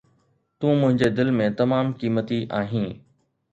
تون منهنجي دل ۾ تمام قيمتي آهين.